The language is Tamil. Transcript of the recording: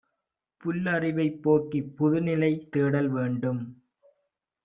புல்லறிவைப் போக்கிப் புதுநிலைதே டல்வேண்டும்.